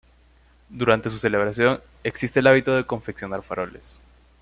Durante su celebración existe el hábito de confeccionar faroles.